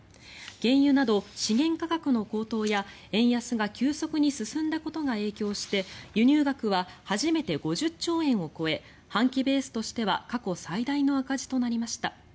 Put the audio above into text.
原油など資源価格の高騰や円安が急速に進んだことが影響して輸入額は初めて５０兆円を超え半期ベースとしては過去最大の赤字となりました。